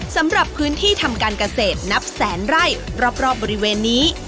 สำหรับพื้นที่ทำการเกษตรนับแสนไร่รอบบริเวณนี้